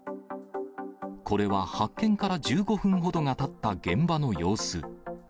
これは発見から１５分ほどがたった現場の様子。